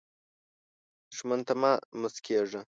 دښمن ته مه مسکېږه